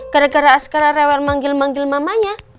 gara gara askara rewel manggil manggil mamanya